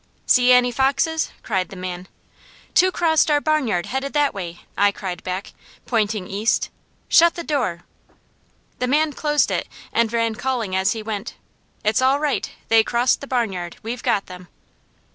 "See any foxes?" cried the man. "Two crossed our barnyard headed that way!" I cried back, pointing east. "Shut the door!" The man closed it and ran calling as he went: "It's all right! They crossed the barnyard. We've got them!"